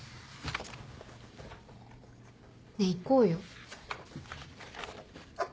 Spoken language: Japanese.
ねえ行こうよ。